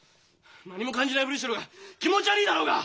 何も感じないふりしてる方が気持ち悪いだろうが！